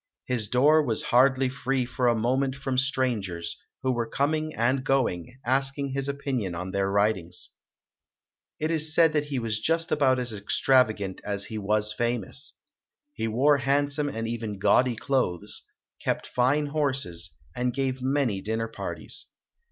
His door was hardly free for a moment from strangers, who were coming and going, ask ing his opinion on their writings. It is said that he was just about as extravagant as he was famous. He wore handsome and even gaudy clothes, kept fine horses, and gave many dinner parties.